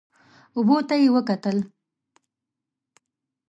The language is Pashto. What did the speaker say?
اوبو ته یې وکتل.